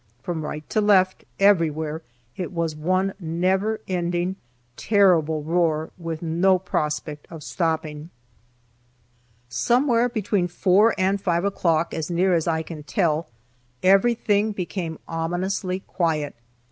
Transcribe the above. From right to left, everywhere, it was one never ending, terrible roar, with no prospect of stopping. Somewhere between 4 and 5 o'clock, as near as I can tell, everything became ominously quiet.